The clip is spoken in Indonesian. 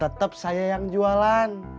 tetep saya yang jualan